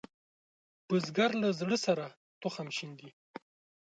بزګر له زړۀ سره تخم شیندي